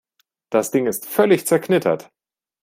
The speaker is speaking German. Das Ding ist völlig zerknittert.